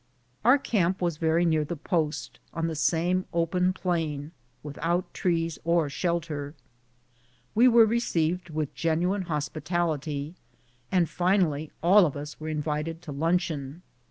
Our camp was very near the post, on the same open plain, without trees or shelter. We were received with genuine hospitality, and finally all of us invited to luncheon.